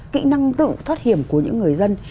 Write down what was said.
kỹ năng tự thoát hiểm của những người dân